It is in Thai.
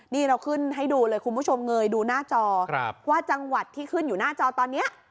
นี่เราขึ้นให้ดูเลยคุณผู้ชมเงยดูหน้าจอว่าจังหวัดที่ขึ้นอยู่หน้าจอตอนนี้